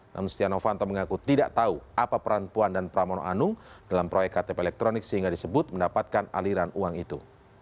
namun setia novanto mengaku tidak tahu apa peran puan dan pramono anung dalam proyek ktp elektronik sehingga disebut mendapatkan aliran uang itu